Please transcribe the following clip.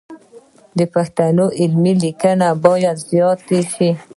د پښتو علمي لیکنې باید زیاتې سي.